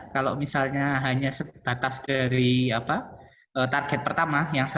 kalau misalnya hanya sebatas dari target pertama yang satu ratus delapan puluh lima